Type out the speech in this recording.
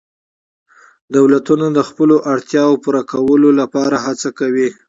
دولتونه د خپلو اړتیاوو د پوره کولو لپاره هڅه کوي